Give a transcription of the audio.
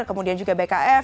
kemudian juga bkf